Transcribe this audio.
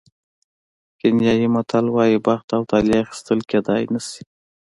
کینیايي متل وایي بخت او طالع اخیستل کېدای نه شي.